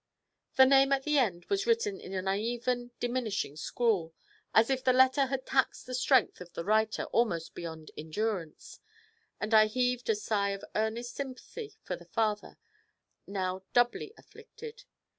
The name at the end was written in an uneven, diminishing scrawl, as if the letter had taxed the strength of the writer almost beyond endurance, and I heaved a sigh of earnest sympathy for the father, now doubly afflicted.